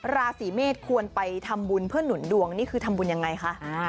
ราศีเมษควรไปทำบุญเพื่อหนุนดวงนี่คือทำบุญยังไงคะ